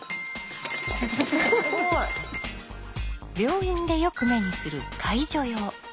病院でよく目にする介助用。